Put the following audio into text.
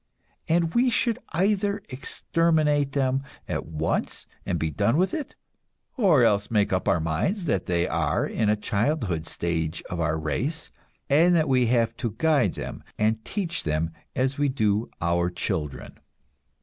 And we should either exterminate them at once and be done with it, or else make up our minds that they are in a childhood stage of our race, and that we have to guide them and teach them as we do our children.